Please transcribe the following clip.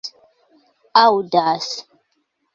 aŭdas